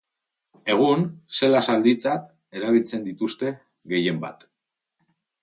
Egun, zela-zalditzat erabiltzen dituzte gehienbat.